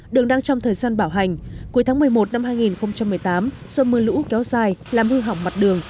đường đang trong thời gian bảo hành cuối tháng một mươi một năm hai nghìn một mươi tám do mưa lũ kéo dài làm hư hỏng mặt đường